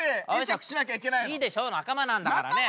いいでしょ仲間なんだからね。